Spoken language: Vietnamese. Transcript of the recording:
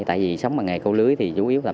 tại vì sống bằng nghề câu lưới thì chủ yếu là